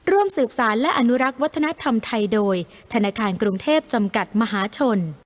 ร่วมสืบสารและอนุรักษ์วัฒนธรรมไทยโดยธนาคารกรุงเทพจำกัดมหาชน